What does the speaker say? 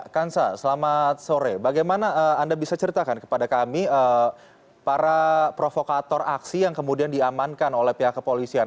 kansa selamat sore bagaimana anda bisa ceritakan kepada kami para provokator aksi yang kemudian diamankan oleh pihak kepolisian